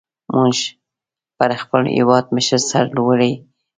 موږ پر خپل هېوادمشر سر لوړي کو.